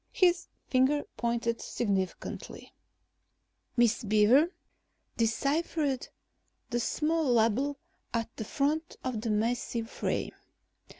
His finger pointed significantly. Miss Beaver deciphered the small label at the front of the massive frame.